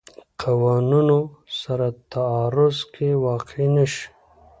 قوانونو سره تعارض کې واقع نه شي.